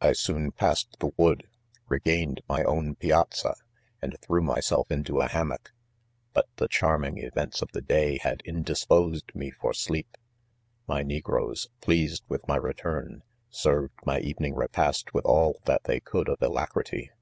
I soon passed the. wood, regained nay own piazza, and threw myself into a hammock, hot the charming events of the day had indispos ed me for sleep. My negroes, pleased with my return) served my evening repast with all that they could of alacrity.